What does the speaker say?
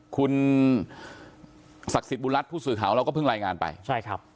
คุณศักดิ์สิทธิ์บุญรัฐผู้สื่อข่าวเราก็เพิ่งรายงานไปใช่ครับ